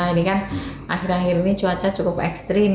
ini kan akhir akhir ini cuaca cukup ekstrim